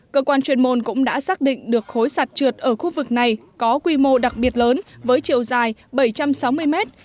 cơ quan chuyên môn cũng đã xác định được khối sạt trượt ở khu vực này có quy mô đặc biệt lớn với chiều dài bảy trăm sáu mươi mét